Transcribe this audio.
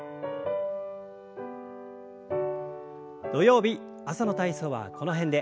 土曜日朝の体操はこの辺で。